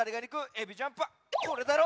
エビジャンプはこれだろ？